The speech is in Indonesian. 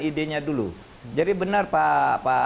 idenya dulu jadi benar pak